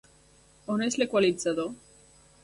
On és l'equalitzador?